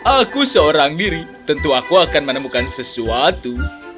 aku seorang diri tentu aku akan menemukan sesuatu